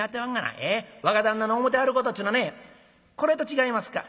若旦那の思てはることちゅうのはねこれと違いますか？」。